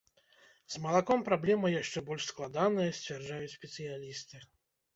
З малаком праблема яшчэ больш складаная, сцвярджаюць спецыялісты.